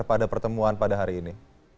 pertemuan pada hari ini